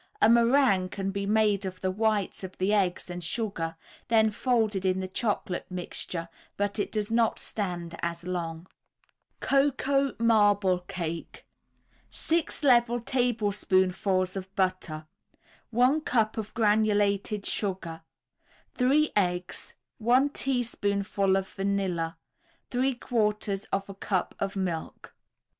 A meringue can be made of the whites of the eggs and sugar, then folded in the chocolate mixture, but it does not stand as long. COCOA MARBLE CAKE 6 level tablespoonfuls of butter, 1 cup of granulated sugar, 3 eggs, 1 teaspoonful of vanilla, 3/4 a cup of milk.